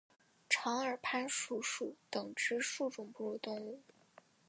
长耳攀鼠属等之数种哺乳动物。